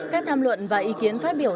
các tham luận và ý kiến phát biểu